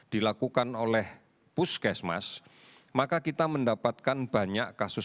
dilakukan oleh puskesmas maka kita mendapatkan banyak kasus